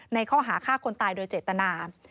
ในข้อหาฆ่าคนตายโดยเจตนา